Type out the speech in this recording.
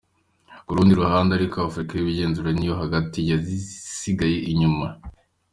Ku rundi ruhande ariko, Afurika y'iburengerazuba n'iyo hagati, zasigaye inyuma.